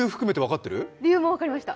理由も分かりました。